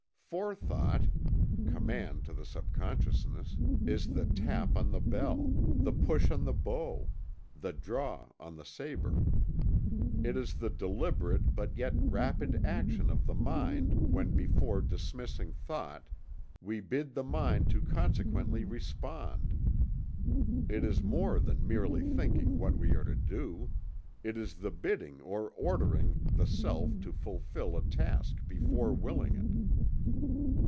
Forethought (command to the subconsciousness) is the tap on the bell; the push on the bow; the draw on the sabre. It is the deliberate but yet rapid action of the mind when before dismissing thought, we bid the mind to consequently respond. It is more than merely thinking what we are to do; it is the bidding or ordering the Self to fulfill a task before willing it."